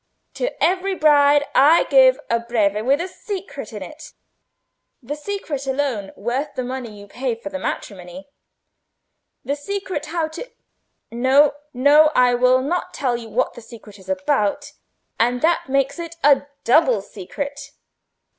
"To every bride I give a Breve with a secret in it—the secret alone worth the money you pay for the matrimony. The secret how to—no, no, I will not tell you what the secret is about, and that makes it a double secret.